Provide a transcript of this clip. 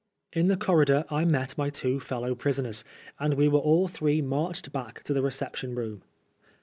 In the corridor I met my two fellow prisoners, and we were all three marched back to the reception room.